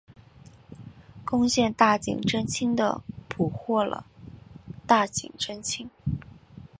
攻陷大井贞清的捕获了大井贞清。